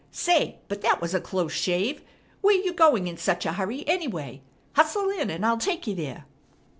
Say, but that was a close shave! Where you going in such a hurry, anyway? Hustle in, and I'll take you there."